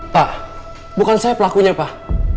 pak bukan saya pelakunya pak